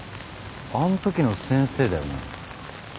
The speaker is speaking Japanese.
あんときの先生だよね。